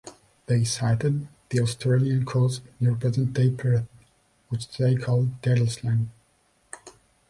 They sighted the Australian coast near present-day Perth, which they called "d'Edelsland".